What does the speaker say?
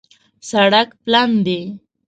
سړک پلن دی